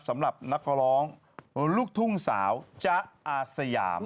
สำหรับนักร้องลูกทุ่งสาวจ๊ะอาสยาม